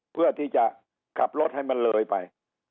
เพื่อที่จะขับรถให้มันเลยไป